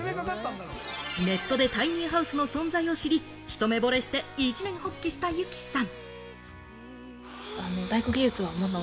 ネットでタイニーハウスの存在を知り、ひと目ぼれして一念発起した、由季さん。